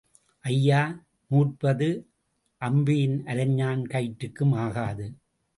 ஐயா நூற்பது அம்பியின் அரைஞாண் கயிற்றுக்கும் ஆகாது.